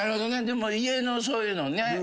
でも家のそういうのね。